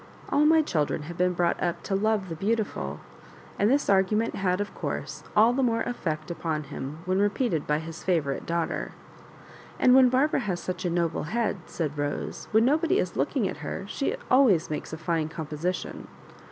All my children have been brought up to love the beautidil;" and this argu ment bad, of course, all the more effect upon him when repeated by his favourite daughter. *'And then Barbara has such a noble head," said Rose; " when nobody is looking at her she ■ always makes a fine composition.